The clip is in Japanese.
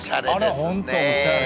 あら、本当おしゃれ。